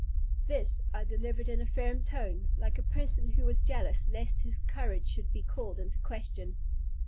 This I delivered in a firm tone, like a person who was jealous lest his courage should be called in question.